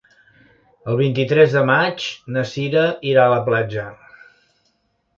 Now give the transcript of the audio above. El vint-i-tres de maig na Sira irà a la platja.